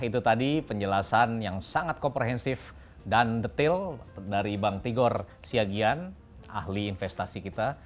itu tadi penjelasan yang sangat komprehensif dan detail dari bang tigor siagian ahli investasi kita